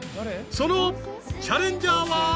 ［そのチャレンジャーは］